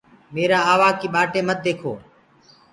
ميرآ آوآ ڪي ٻآٽي مت ديکو۔